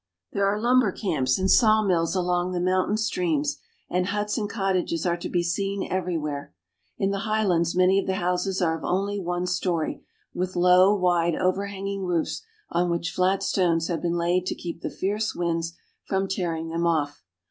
There are lumber camps and sawmills along the moun tain streams, and huts and cottages are to be seen every where. In the highlands many of the houses are of only one story, with low, wide, overhanging roofs, on which flat stones have been laid to keep the fierce winds from tearing them off.